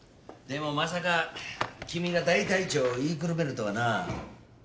でもまさか君が大隊長を言いくるめるとはな。